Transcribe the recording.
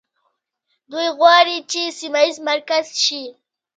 دوی غواړي چې سیمه ییز مرکز شي.